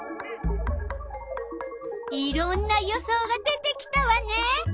いろんな予想が出てきたわね。